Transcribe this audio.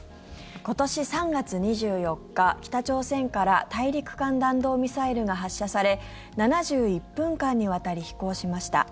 今年３月２４日、北朝鮮から大陸間弾道ミサイルが発射され７１分間にわたり飛行しました。